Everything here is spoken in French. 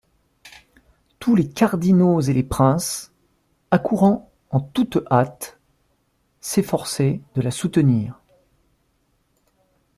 Tous les cardinaux et les princes, accourant en toute hâte, s'efforçaient de la soutenir.